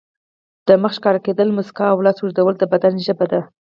د مخ ښکاره کېدل، مسکا او لاس اوږدول د بدن ژبه ده.